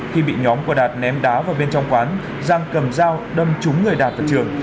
khi bị nhóm của đạt ném đá vào bên trong quán giang cầm dao đâm trúng người đạt và trường